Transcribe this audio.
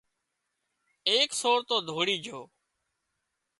ايڪ سور تو ڌوڙي جھو